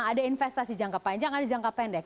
ada investasi jangka panjang ada jangka pendek